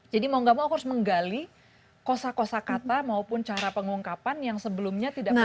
jadi mau gak mau aku harus menggali kosa kosa kata maupun cara pengungkapan yang sebelumnya tidak berlaku